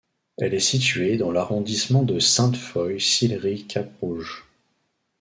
Elle est située dans l'arrondissement de Sainte-Foy–Sillery–Cap-Rouge.